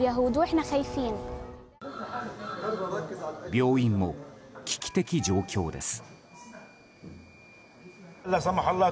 病院も危機的状況です。